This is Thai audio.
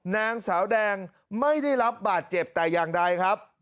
นางสาวแดงไม่ได้รับบาดเจ็บแต่อย่างใดครับ